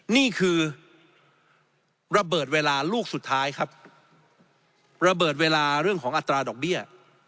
นี่คือระเบิดเวลาลูกสุดท้ายครับระเบิดเวลาเรื่องของอัตราดอกเบี้ย